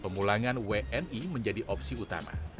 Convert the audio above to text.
pemulangan wni menjadi opsi utama